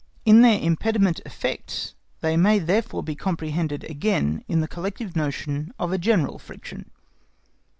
In their impedient effects they may therefore be comprehended again in the collective notion of a general friction.